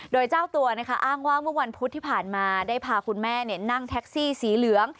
โดยเจ้าตัวอ้างว่าเมื่อวันพุธที่ผ่านมาได้พาคุณแม่นั่งแท็กซี่สีเหลือง